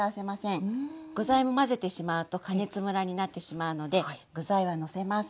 具材も混ぜてしまうと加熱むらになってしまうので具材はのせます。